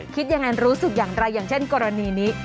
คิดยังไงรู้สึกอย่างไรอย่างเช่นกรณีนี้